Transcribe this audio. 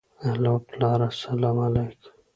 الو پلاره سلام عليک.